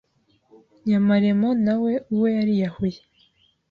Nyamaremo na we uwe yariyahuye